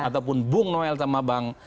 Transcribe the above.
ataupun bung noel sama bang